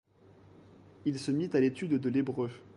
Il se mit à l'étude de l'hébreu..